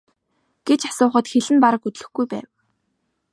гэж асуухад хэл нь бараг хөдлөхгүй байв.